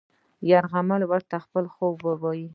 یو غل ورته خپل خوب وايي.